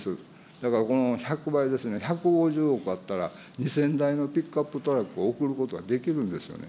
だからこの１００倍ですね、１５０億あったら、２０００台のピックアップトラックを送ることができるんですよね。